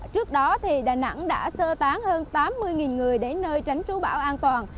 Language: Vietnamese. trước đó đà nẵng đã sơ tán hơn tám mươi người đến nơi tránh trú bão an toàn